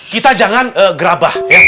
kita jangan gerabah